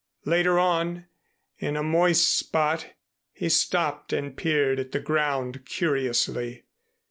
Later on, in a moist spot, he stopped and peered at the ground curiously.